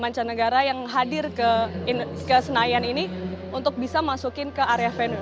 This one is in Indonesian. mancanegara yang hadir ke senayan ini untuk bisa masukin ke area venue